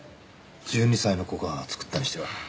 １２歳の子が作ったにしては。